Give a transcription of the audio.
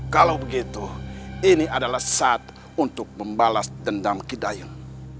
kalau begitu ini adalah saat untuk membalas dendam kidayem